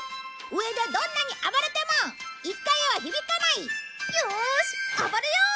上でどんなに暴れても１階へは響かない！よーし暴れよう！